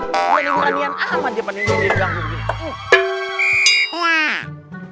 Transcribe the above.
gak ada peranian apa apa di depan ini yang ngindahin buang gue begini